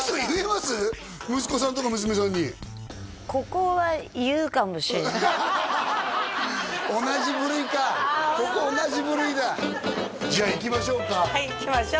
息子さんとか娘さんにここは同じ部類かここ同じ部類だじゃあいきましょうかはいいきましょう